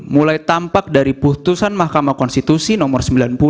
mulai tampak dari putusan mahkamah konstitusi nomor sembilan puluh